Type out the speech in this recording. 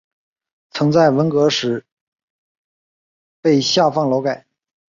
曾在文革时被下放劳改。